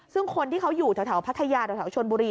ซึ่งคนที่เขาอยู่แถวพัทยาแถวชนบุรี